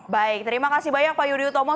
baik terima kasih banyak pak yudhoyutomo